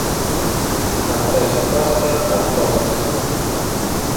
atallpasta atoq swan